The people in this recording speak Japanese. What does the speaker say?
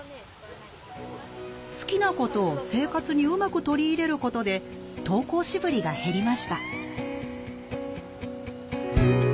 好きなことを生活にうまく取り入れることで登校しぶりが減りました